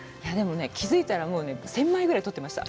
気づいたら１０００枚ぐらい撮ってました。